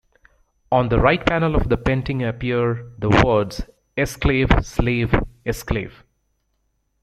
On the right panel of the painting appear the words "Esclave, Slave, Esclave".